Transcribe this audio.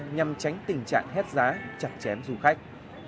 nhằm tránh tình trạng hết giá chặt chém du khách